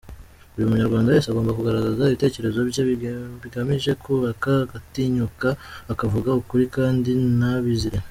Buri munyarwanda wese agomba kugaragaza ibitekerezo bye bigamije kubaka, agatinyuka akavuga ukuri kandi ntabizire.